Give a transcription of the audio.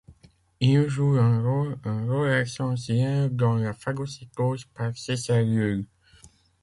Ils jouent un rôle un rôle essentiel dans la phagocytose par ces cellules.